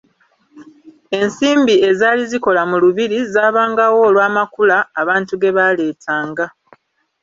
Ensimbi ezaali zikola mu lubiri zaabangawo olw'amakula abantu ge baaleetanga.